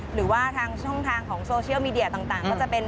หรือว่าทางช่องทางของโซเชียลมีเดียต่างก็จะเป็น